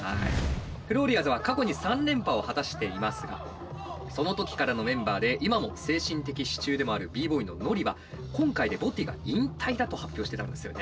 フローリアーズは過去に３連覇を果たしていますがその時からのメンバーで今も精神的支柱でもあるＢ−ＢＯＹのＮＯＲＩは今回でＢＯＴＹが引退だと発表してたんですよね。